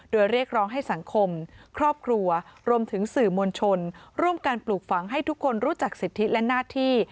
โดยเรียกร้องให้สังคมครอบครัวรวมถึงสื่อมวลชนร่วมการปลูกฝังให้ทุกคนรู้จักสิทธิและหน้าที่